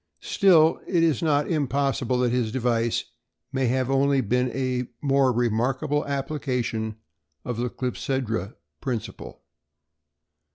Still, it is not impossible that his device may only have been a more remarkable application of the clepsydra principle.